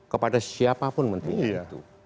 kepada siapapun menteri itu